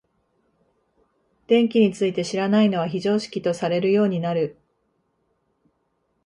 電気について知らないのは非常識とされるようになる。